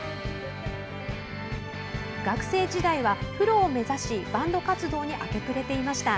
学生時代は、プロを目指しバンド活動に明け暮れていました。